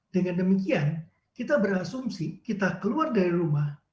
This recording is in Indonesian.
dengan demikian kita berasumsi kita keluar dari rumah